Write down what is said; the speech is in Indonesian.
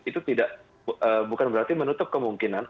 itu tidak bukan berarti menutup kemungkinan